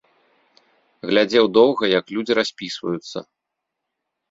Глядзеў доўга, як людзі распісваюцца.